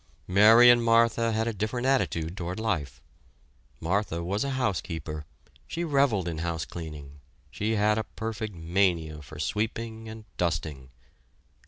Mary and Martha had a different attitude toward life. Martha was a housekeeper she reveled in housecleaning she had a perfect mania for sweeping and dusting.